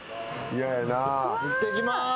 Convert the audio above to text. いってきます。